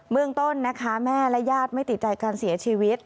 เมืองต้นนะคะแม่และญาติไม่ติดใจการเสียชีวิต